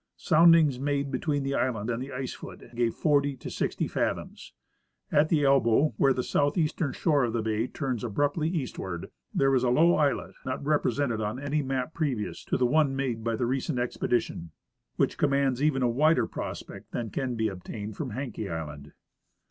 Soundings made between the island and the ice foot gave forty to sixty fathoms. At the elbow, Avhere the southeastern shore of the bay turns abruptly eastward, there is a low islet not represented on any map previous to the one made by the recent expedition, which commands even a wider prospect than can be obtained from Haenke island.